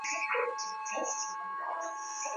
ya kutaka kuelewa mambo kiundani zaidi